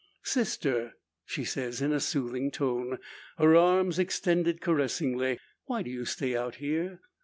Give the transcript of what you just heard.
"Sister!" she says, in soothing tone, her arms extended caressingly, "why do you stay out here?